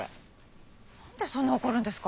なんでそんな怒るんですか。